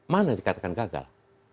mana yang dikatakan gagal